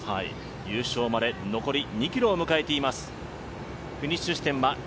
優勝まで残り２ｋｍを迎えています。